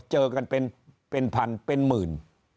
เจอกันเป็นพันเป็นหมื่น